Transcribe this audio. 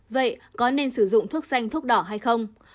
vậy có nên sử dụng thuốc xanh thuốc đỏ hay không